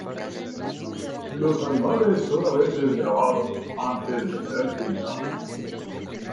Los animales son a veces grabados antes de ser pintados.